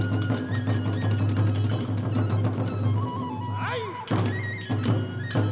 はい！